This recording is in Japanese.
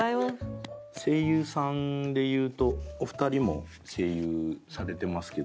声優さんでいうとお二人も声優されてますけど。